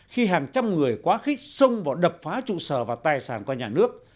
khi hàng trăm người quá khích xông vào đập phá trụ sở và tài sản của nhà nước